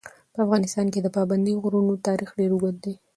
په افغانستان کې د پابندي غرونو تاریخ ډېر اوږد دی.